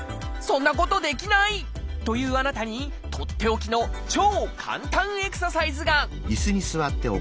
そんなことできない！というあなたにとっておきの超簡単エクササイズが！